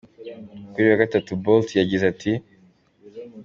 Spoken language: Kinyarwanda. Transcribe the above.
Kuri uyu wa gatanu, Bolt yagize ati:.